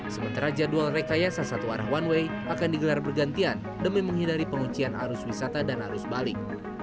sementara jadwal rekayasa satu arah one way akan digelar bergantian demi menghindari penguncian arus wisata dan arus balik